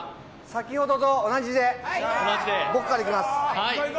先ほどと同じで、僕からいきます。